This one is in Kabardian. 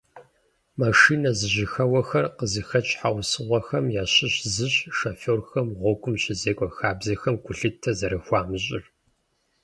Машинэ зэжьыхэуэхэр къызыхэкӏ щхьэусыгъуэхэм ящыщ зыщ шоферхэм гъуэгум щызекӏуэ хабзэхэм гулъытэ зэрыхуамыщӏыр.